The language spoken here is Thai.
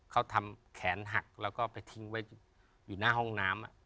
เขาทำแขนหักแล้วก็ไปทิ้งไว้อยู่หน้าห้องน้ำ